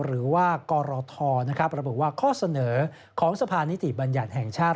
หรือว่ากรทนะครับเรียกว่าข้อเสนอของสะพานนิติบัญญัติแห่งชาติ